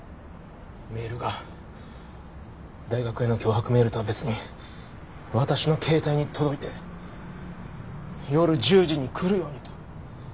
メールが大学への脅迫メールとは別に私の携帯に届いて夜１０時に来るようにと。